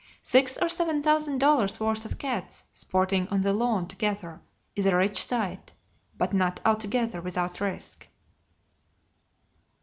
Six or seven thousand dollars' worth of cats sporting on the lawn together is a rich sight, but not altogether without risk.